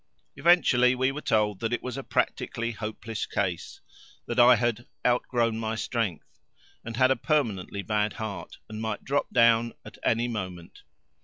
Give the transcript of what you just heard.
Eventually we were told that it was a practically hopeless case, that I had "outgrown my strength," and had a permanently bad heart and might drop down at any moment.